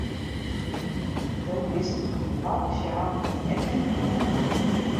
Do kinst dyn blauwe sjaal net fine.